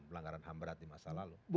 pelanggaran ham berat di masa lalu